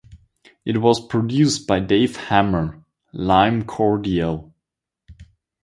It was produced by Dave Hammer (Lime Cordiale).